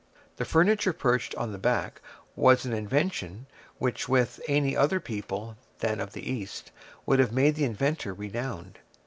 The furniture perched on the back was an invention which with any other people than of the East would have made the inventor renowned.